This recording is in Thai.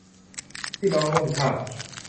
พี่น้องร่วมชาติ